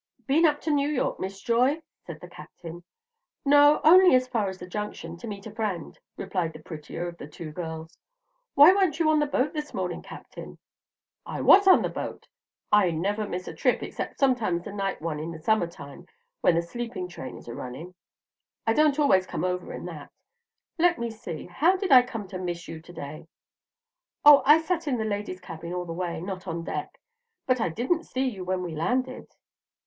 "Been up to New York, Miss Joy?" said the Captain. "No; only as far as the Junction, to meet a friend," replied the prettier of the two girls. "Why weren't you on the boat this morning, Captain?" "I was on the boat. I never miss a trip, except sometimes the night one in the summer time, when the sleeping train is a running. I don't always come over in that. Let me see, how did I come to miss you to day?" "Oh, I sat in the ladies' cabin all the way, not on deck. But I didn't see you when we landed."